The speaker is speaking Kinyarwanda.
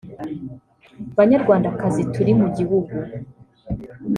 banyarwandakazi turi mu gihugu